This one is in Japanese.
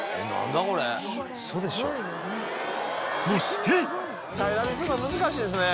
［そして］